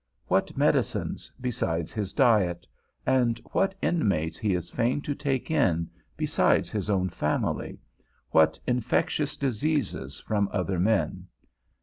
What medicines besides his diet; and what inmates he is fain to take in, besides his own family; what infectious diseases from other men!